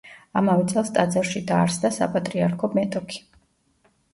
ამავე წელს ტაძარში დაარსდა საპატრიარქო მეტოქი.